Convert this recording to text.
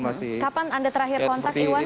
kapan anda terakhir kontak iwan dengan letkol heri